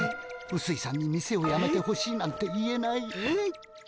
うすいさんに店をやめてほしいなんて言えない。